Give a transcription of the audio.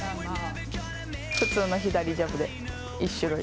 普通の左ジャブで１種類目。